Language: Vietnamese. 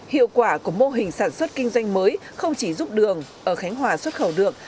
hiệu quả của mô hình sản xuất kinh doanh mới không chỉ giúp đường ở khánh hòa xuất khẩu đường